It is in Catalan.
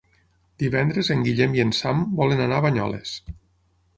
Divendres en Guillem i en Sam volen anar a Banyoles.